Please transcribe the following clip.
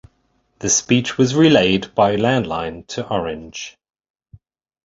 The speech was relayed by landline to Orange.